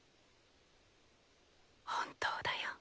本当だよ。